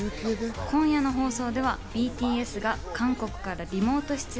今夜の放送ではＢＴＳが韓国からリモート出演。